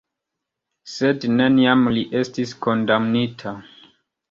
Sed neniam li estis kondamnita.